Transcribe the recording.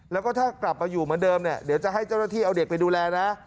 แล้วก็ถ้ากลับมาอยู่เหมือนเดิมเนี่ยเดี๋ยวจะให้เจ้าหน้าที่เอาเด็กไปดูแลนะ